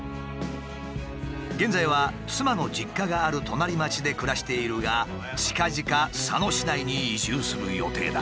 現在は妻の実家がある隣町で暮らしているがちかぢか佐野市内に移住する予定だ。